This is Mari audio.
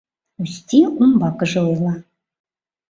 Усти умбакыже ойла: